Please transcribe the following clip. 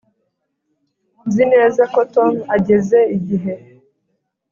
Nzi neza ko Tom ageze igihe